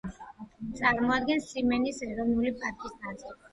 წარმოადგენს სიმენის ეროვნული პარკის ნაწილს.